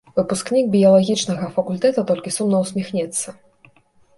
Выпускнік біялагічнага факультэта толькі сумна ўсміхнецца.